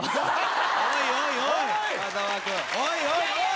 おいおいおい！